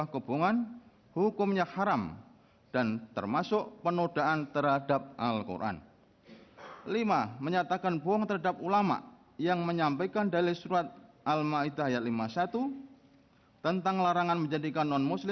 kepulauan seribu kepulauan seribu